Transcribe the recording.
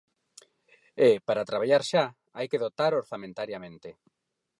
E, para traballar xa, hai que dotar orzamentariamente.